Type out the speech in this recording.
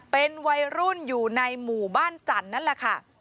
เป็นวัยรุ่นอยู่ในหมู่บ้านจันทร์นั่นแหละค่ะ